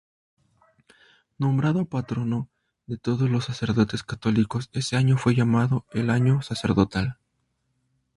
Nombrado patrono de todos los sacerdotes católicos, ese año fue llamado el "Año sacerdotal".